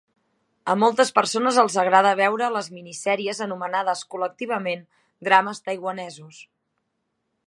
A moltes persones els agrada veure les minisèries anomenades col·lectivament Drames taiwanesos.